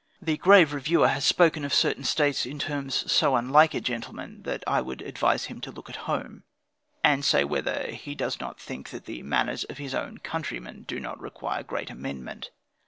The grave reviewer has spoken of certain States in terms so unlike a gentleman, that I would advise him to look at home, and say whether he does not think that the manners of his own countrymen, do not require great amendment?